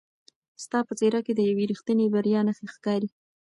ستا په څېره کې د یوې رښتینې بریا نښې ښکاري.